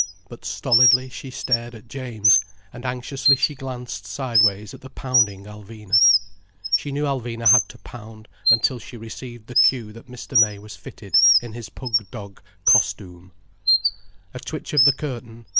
But stolidly she stared at James, and anxiously she glanced sideways at the pounding Alvina. She knew Alvina had to pound until she received the cue that Mr. May was fitted in his pug dog "Costoom." A twitch of the curtain.